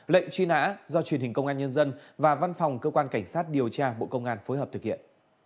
lệnh truy nã do truyền hình công an nhân dân và văn phòng cơ quan cảnh sát điều tra bộ công an phối hợp thực hiện